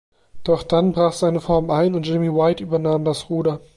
Doch dann brach seine Form ein und Jimmy White übernahm das Ruder.